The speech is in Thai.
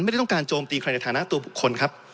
ไม่ได้ต้องการโจมตีใครในฐานะตัวบุคคลครับ